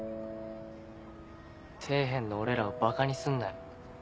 底辺の俺らをばかにすんなよ。